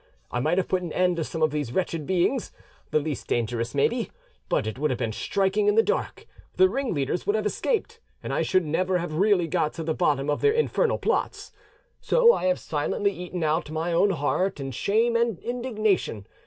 I might have put an end to some of these wretched beings, the least dangerous maybe; but it would have been striking in the dark; the ringleaders would have escaped, and I should never have really got to the bottom of their infernal plots. So I have silently eaten out my own heart in shame and indignation.